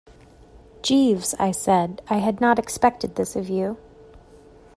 "Jeeves," I said, "I had not expected this of you."